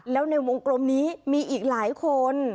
แล้วในวงกลมนี้มีอีกหลายคน